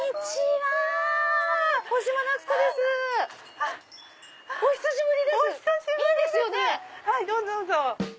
はいどうぞどうぞ。